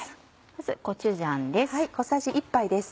まずコチュジャンです。